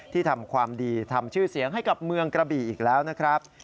ทำความดีทำชื่อเสียงให้กับเมืองกระบี่อีกแล้วนะครับ